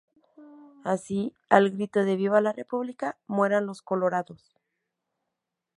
Así, al grito de "¡¡Viva la República, mueran los colorados!!